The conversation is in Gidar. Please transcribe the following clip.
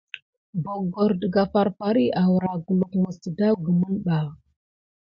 Boggor daka farfari arua kulukeb mis teɗa kumine ɓa.